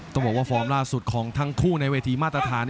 ต้องบอกว่าฟอร์มล่าสุดของทั้งคู่ในเวทีมาตรฐาน